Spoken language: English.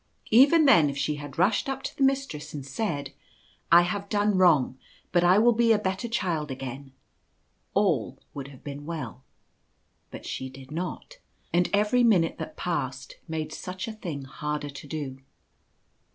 Even then if she had rushed up to the mistress and said :" I have done wrong ; but I will be a better child again," all would have been well; but she did not, and every minute that passed made such a thing harder to do.